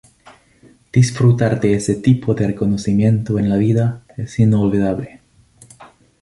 Disfrutar de ese tipo de reconocimiento en la vida es inolvidable.